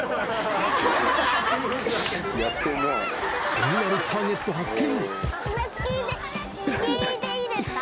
次なるターゲット発見。